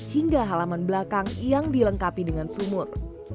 hingga halaman belakang yang dilengkapi dengan sumur